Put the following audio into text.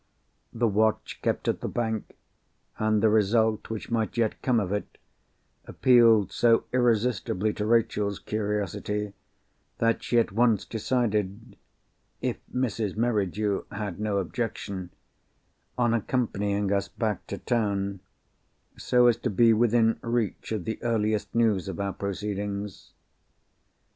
The watch kept at the bank, and the result which might yet come of it, appealed so irresistibly to Rachel's curiosity, that she at once decided (if Mrs. Merridew had no objection) on accompanying us back to town—so as to be within reach of the earliest news of our proceedings.